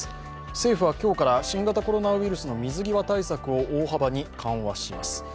政府は今日から新型コロナウイルスの水際対策を大幅に緩和します。